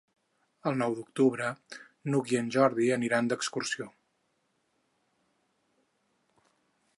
El nou d'octubre n'Hug i en Jordi aniran d'excursió.